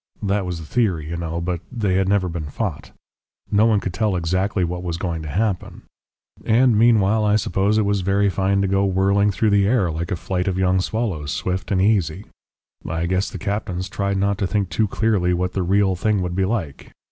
That was the theory, you know, but they had never been fought. No one could tell exactly what was going to happen. And meanwhile I suppose it was very fine to go whirling through the air like a flight of young swallows, swift and easy. I guess the captains tried not to think too clearly what the real thing would be like.